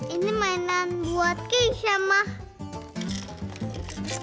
ini mainan buat keisha mah